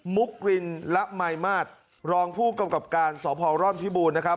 มุกรินละมายมาสรองผู้กำกับการสพร่อนพิบูรณนะครับ